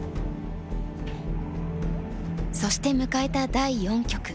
そして迎えた第四局。